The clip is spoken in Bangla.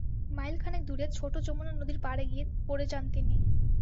মাইল খানেক দূরে ছোট যমুনা নদীর পাড়ে গিয়ে পড়ে যান তিনি।